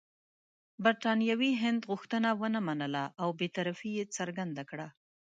برټانوي هند غوښتنه ونه منله او بې طرفي یې څرګنده کړه.